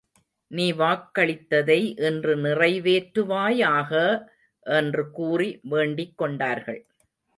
நீ வாக்களித்ததை இன்று நிறைவேற்றுவாயாக! என்று கூறி வேண்டிக் கொண்டார்கள்.